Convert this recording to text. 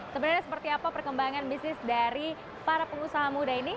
sebenarnya seperti apa perkembangan bisnis dari para pengusaha muda ini